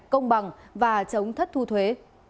công bằng và chống thất thu thuế